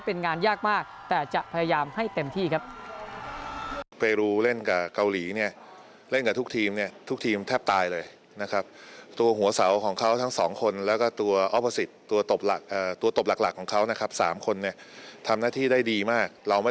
เป็นงานยากมากแต่จะพยายามให้เต็มที่ครับ